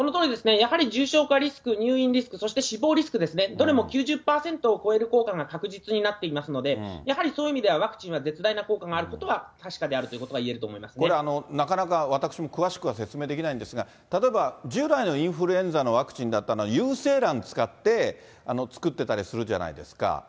やはり重症化リスク、入院リスク、そして死亡リスクですね、どれも９０％を超える効果が確実になっていますので、やはりそういう意味では、ワクチンは絶大な効果があることは確かであるということが言えるこれ、なかなか私も詳しくは説明できないんですが、例えば、従来のインフルエンザのワクチンだったのは有精卵使って作ってたりするじゃないですか。